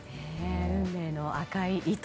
運命の赤い糸。